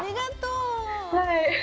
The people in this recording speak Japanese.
はい。